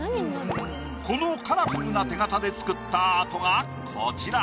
このカラフルな手形で作ったアートがこちら。